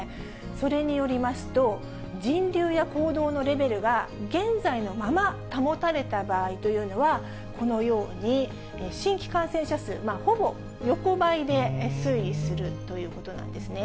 それによりますと、人流や行動のレベルが現在のまま保たれた場合というのは、このように新規感染者数、ほぼ横ばいで推移するということなんですね。